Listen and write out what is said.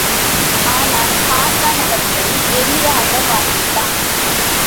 ஆனால் ஹாஸான் அவற்றை எளிதாக வாசித்தான்.